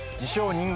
人間